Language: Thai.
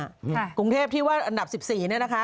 กรุงเทพที่ว่าอันดับสิบสี่เนี้ยนะคะ